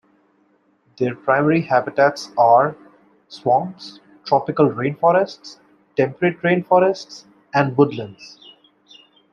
Their primary habitats are: swamps, tropical rainforests, temperate rainforests and woodlands.